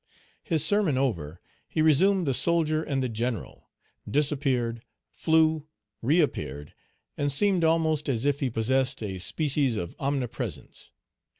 His sermon over, he resumed the soldier and the general, disappeared, flew, reappeared, and seemed almost as if he possessed a species of omnipresence.